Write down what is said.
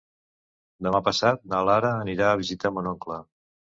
Demà passat na Lara anirà a visitar mon oncle.